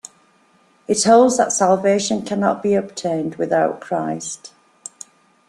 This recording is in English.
It holds that salvation cannot be obtained without Christ.